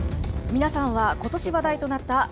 皆さんはことし話題となったＦ４